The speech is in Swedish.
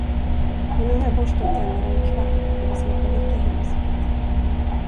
Och nu har jag borstat tänderna en kvart och det smakar lika hemskt.